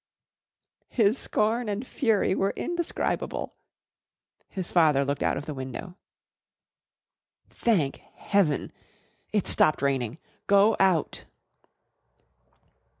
_" His scorn and fury were indescribable. His father looked out of the window. "Thank Heaven, it's stopped raining! Go out!"